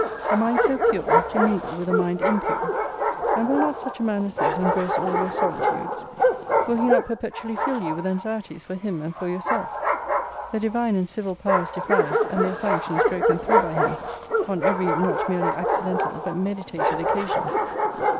A mind so pure, to mingle with a mind impure! And will not such a man as this engross all your solitudes? Will he not perpetually fill you with anxieties for him and for yourself? The divine and civil powers defied, and their sanctions broken through by him, on every not merely accidental but meditated occasion.